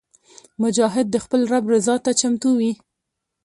مجاهد د خپل رب رضا ته چمتو وي.